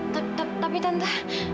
tapi tapi tapi tante